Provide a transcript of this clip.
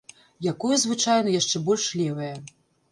Якое звычайна яшчэ больш левае.